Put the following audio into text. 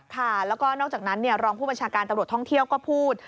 ค่ะแล้วก็นอกจากนั้นรองผู้บัญชาการตำรวจท่องเที่ยวก็พูด